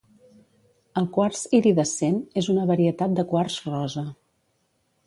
El "quars iridescent" és una varietat de quars rosa.